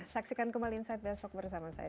saksikan kembali insight besok bersama saya